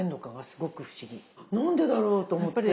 何でだろう？と思って。